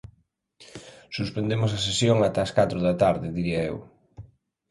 Suspendemos a sesión ata as catro da tarde, diría eu.